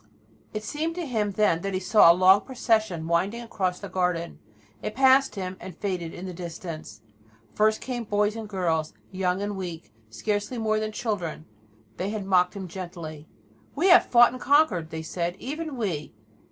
It seemed to him then that he saw a long procession winding across the garden. It passed him and faded in the distance. First came boys and girls, young and weak, scarcely more than children, and they mocked him gently. "We have fought and conquered," they said, "even we."